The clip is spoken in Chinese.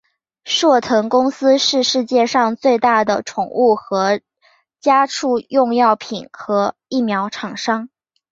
硕腾公司是世界上最大的宠物和家畜用药品和疫苗厂商。